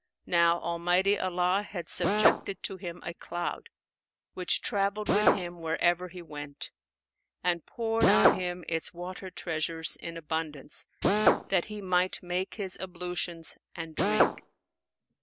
Now Almighty Allah had subjected to him a cloud which travelled with him wherever he went, and poured on him its water treasures in abundance that he might make his ablutions and drink.